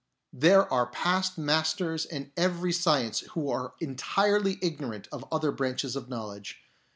There are past masters in every science who are entirely ignorant of other branches of knowledge.